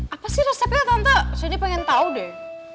apa sih resepnya tante saya pengen tahu deh